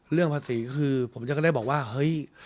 เรื่องภาษีก็คือผมจะก็ได้บอกว่าเฮ้ย